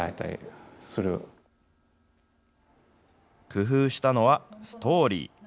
工夫したのは、ストーリー。